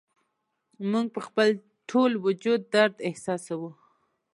موږ په خپل ټول وجود درد احساسوو